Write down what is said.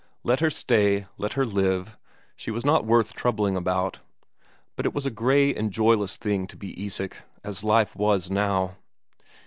Let her stay, let her live she was not worth troubling about. But it was a grey and joyless thing to be Isak, as life was now.